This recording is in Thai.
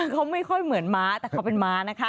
คือเขาไม่ค่อยเหมือนม้าแต่เขาเป็นม้านะคะ